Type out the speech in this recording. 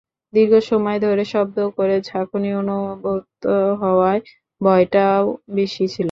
দীর্ঘ সময় ধরে শব্দ করে ঝাঁকুনি অনুভূত হওয়ায় ভয়টাও বেশি ছিল।